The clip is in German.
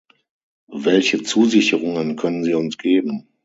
Welche Zusicherungen können Sie uns geben?